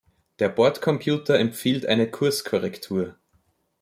Der Bordcomputer empfiehlt eine Kurskorrektur.